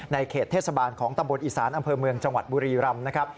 เขตเทศบาลของตำบลอีสานอำเภอเมืองจังหวัดบุรีรำนะครับ